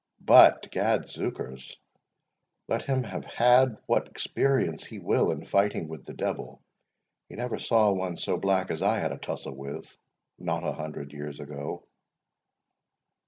"But, gadzookers, let him have had what experience he will in fighting with the Devil, he never saw one so black as I had a tussle with—not a hundred years ago."